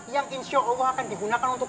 yang insya allah akan digunakan untuk